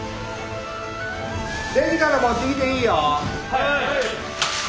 はい。